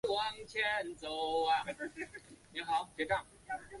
又表示不回应会否引咎辞职。